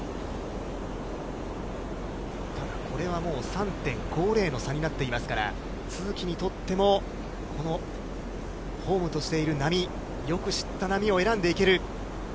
ただこれはもう３．５０の差になっていますから都筑にとっても、ホームとしている波、よく知った波を選んでいける。